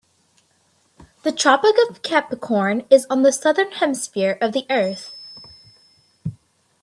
The Tropic of Capricorn is on the Southern Hemisphere of the earth.